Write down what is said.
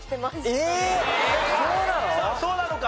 そうなのか。